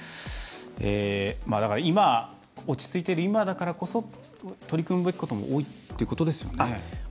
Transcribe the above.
落ち着いている今だからこそ取り組むべきことも多いっていうことですよね。